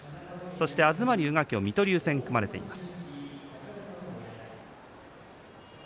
そして東龍が今日は水戸龍戦が組まれています。